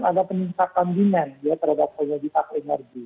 akan ada peningkatan demand terhadap kualitas energi